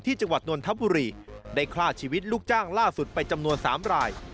จังหวัดนนทบุรีได้ฆ่าชีวิตลูกจ้างล่าสุดไปจำนวน๓ราย